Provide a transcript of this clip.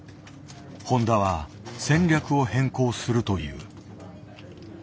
誉田は戦略を変更するという。